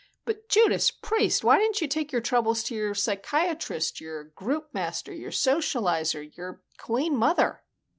But, Judas Priest, why didn't you take your troubles to your psychiatrist, your groupmaster, your socializer, your Queen Mother?"